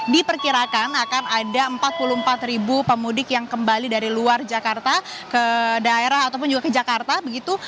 diperkirakan akan ada empat puluh empat ribu pemudik yang kembali dari luar jakarta ke daerah ataupun juga ke jakarta begitu